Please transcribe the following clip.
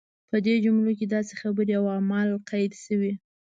په دې جملو کې داسې خبرې او اعمال قید شوي.